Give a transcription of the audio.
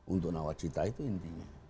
untuk nawak cita itu intinya